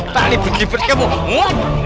tadi berdibet kamu